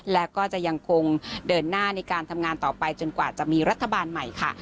และก็จะยังคงเดินหน้าในการทำงานต่อไปจนกว่าจะมีรัฐบาลใหม่ค่ะ